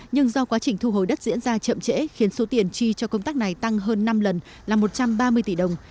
nhưng do quá trình thu hồi đất diễn ra chậm trễ khiến số tiền chi cho công tác này tăng hơn năm lần là một trăm ba mươi tỷ đồng